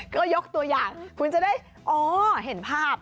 ก็ยกตัวอย่างคุณจะได้อ๋อเห็นภาพ